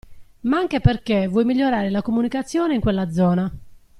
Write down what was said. Ma anche perché vuoi migliorare la comunicazione in quella zona.